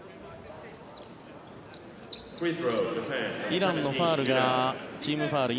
イランのファウルがチームファウル